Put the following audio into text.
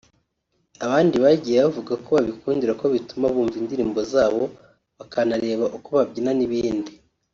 Abandi bagiye bavuga ko babikundira ko bituma bumva indirimbo zabo bakanareba uko babyina n’ibindi